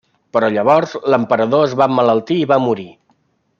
Però llavors l'emperador es va emmalaltir i va morir.